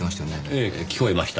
ええ聞こえました。